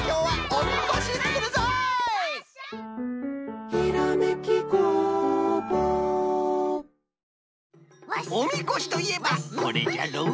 おみこしといえばこれじゃのう。